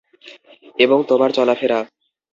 এবং তোমার চলাফেরা।